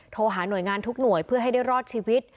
โทรหาหน่วยงานทุกหน่วยเพื่อให้ได้รอดชีวิต